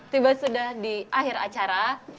tiba sudah di akhir acara